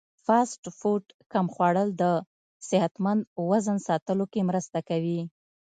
فاسټ فوډ کم خوړل د صحتمند وزن ساتلو کې مرسته کوي.